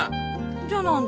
じゃあ何で？